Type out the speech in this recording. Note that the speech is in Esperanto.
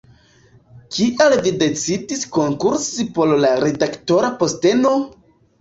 Kial vi decidis konkursi por la redaktora posteno?